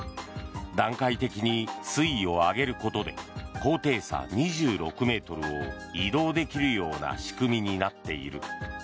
段階的に水位を上げることで高低差２６ｍを移動できるような仕組みになっている。